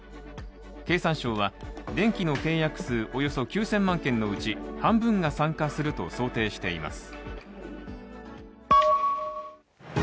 経産省は電気の契約数、およそ９０００万件のうち半分が参加すると想定しています。